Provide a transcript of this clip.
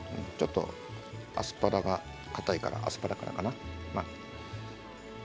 ちょっとアスパラがかたいからアスパラからかな。